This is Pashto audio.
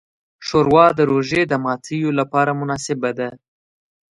ښوروا د روژې د ماتیو لپاره مناسبه ده.